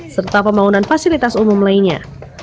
serta pembangunan fasilitas umum lainnya